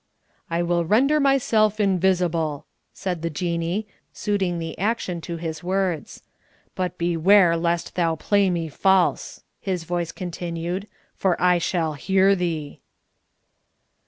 "I will render myself invisible," said the Jinnee, suiting the action to his words. "But beware lest thou play me false," his voice continued, "for I shall hear thee!"